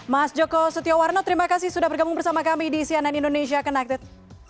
mas joko setiawarno terima kasih sudah bergabung bersama kami di cnn indonesia connected